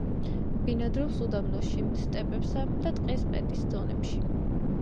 ბინადრობს უდაბნოში, სტეპებსა და ტყე-სტეპის ზონებში.